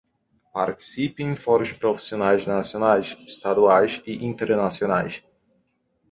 Participe em fóruns profissionais nacionais, estaduais e internacionais.